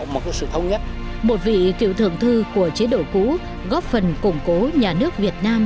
một vị cựu thường thư của chế độ cũ góp phần củng cố nhà nước việt nam